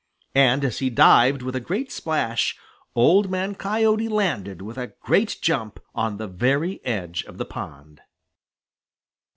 And as he dived with a great splash, Old Man Coyote landed with a great jump on the very edge of the pond.